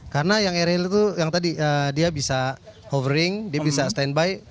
karena yang aerial itu yang tadi dia bisa hovering dia bisa standby